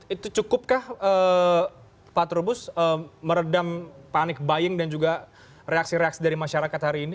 itu cukupkah pak trubus meredam panik buying dan juga reaksi reaksi dari masyarakat hari ini